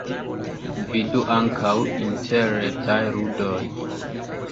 Vidu ankaŭ interretaj ludoj.